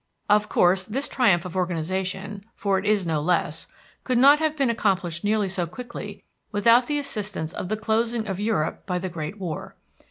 Of course this triumph of organization, for it is no less, could not have been accomplished nearly so quickly without the assistance of the closing of Europe by the great war.